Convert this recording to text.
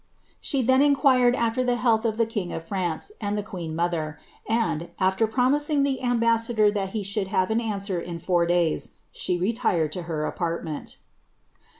"' She then inquired after the health of the king of France and the queea mother, and, after promising the ambassador that he should have aa answer in four days, she retired to her apartment.